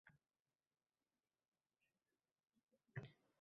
Ayol boʻlish bebaho narsa